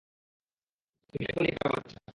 তুমি কেবলই একটা বাচ্চা।